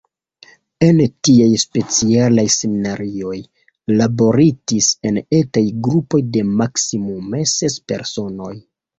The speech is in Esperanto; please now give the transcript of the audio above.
En tiaj specialaj semniaroj laboritis en etaj grupoj de maksimume ses personoj.